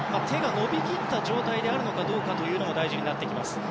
手が伸び切った状態であるのかどうかも大事になってきます。